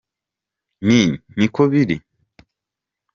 Nti niko biri